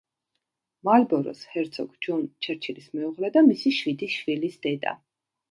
მალბოროს ჰერცოგ ჯონ ჩერჩილის მეუღლე და მისი შვიდი შვილის დედა.